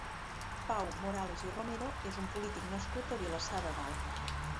Pau Morales i Romero és un polític nascut a Vilassar de Dalt.